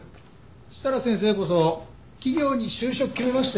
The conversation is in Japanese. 設楽先生こそ企業に就職決めましたよね。